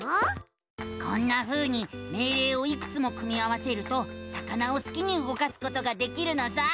こんなふうに命令をいくつも組み合わせると魚をすきに動かすことができるのさ！